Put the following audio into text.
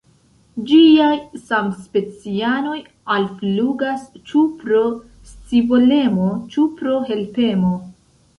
Ĝiaj samspecianoj alflugas ĉu pro scivolemo, ĉu pro helpemo.